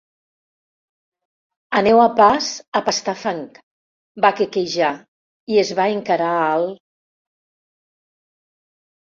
Aneu a pas, a pastar fang! —va quequejar i es va encarar al